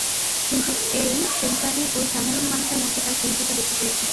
কিন্তু ঐ শেহজাদী ঐ সাধারণ মানুষের মধ্যে তার শেহজাদা দেখতে পেয়েছে।